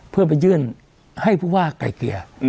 เพื่อไปยื่นให้ผู้ว่าไกลเกลี่ย